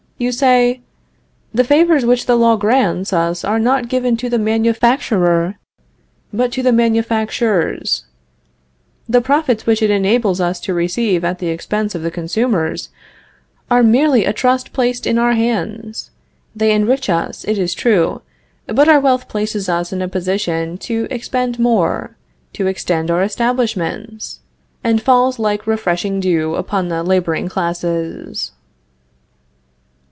You say: "The favors which the law grants us are not given to the manufacturer, but to manufactures. The profits which it enables us to receive at the expense of the consumers are merely a trust placed in our hands. They enrich us, it is true, but our wealth places us in a position to expend more, to extend our establishments, and falls like refreshing dew upon the laboring classes."